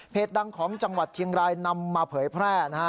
ดังของจังหวัดเชียงรายนำมาเผยแพร่นะฮะ